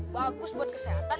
bagus buat kesehatan